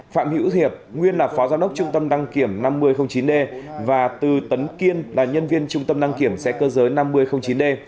phạm hữu hiệp nguyên là phó giám đốc trung tâm đăng kiểm năm mươi chín d và từ tấn kiên là nhân viên trung tâm đăng kiểm xe cơ giới năm mươi chín d